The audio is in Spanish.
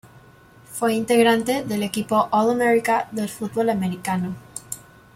Fue integrante del equipo All-America del fútbol americano.